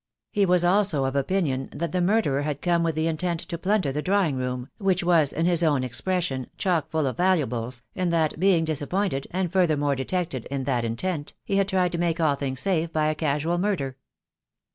He was also of opinion that the murderer had come with the intent to plunder the drawing room , which was in his own expression, "chock full of valuables," and that, being disappointed, and furthermore detected, in that intent, he had tried to make all things safe by a casual murder.